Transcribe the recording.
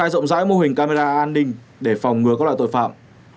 tổng giải mô hình camera an ninh để phòng ngừa các loại tội phạm